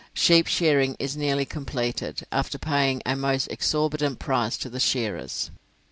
Sheep shearing is nearly completed, after paying a most exorbitant price to the shearers.